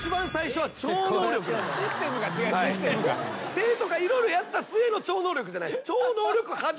手とか色々やった末の超能力じゃない。